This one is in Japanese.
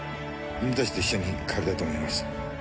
「犬たちと一緒に帰りたいと思います」